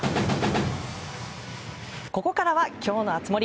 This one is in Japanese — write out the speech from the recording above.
ここからは今日の熱盛。